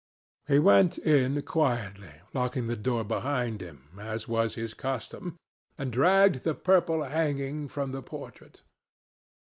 He went in quietly, locking the door behind him, as was his custom, and dragged the purple hanging from the portrait.